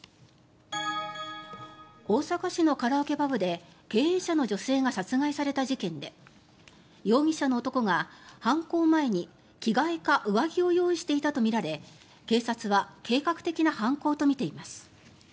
大阪市のカラオケパブで経営者の女性が殺害された事件で容疑者の男が犯行前に着替えか上着を用意していたとみられ警察は計画的な犯行とみています。